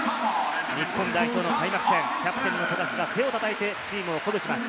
日本代表の開幕戦キャプテンの富樫が手を叩いてチームを鼓舞します。